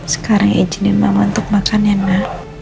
sekarang izinin mama untuk makan yana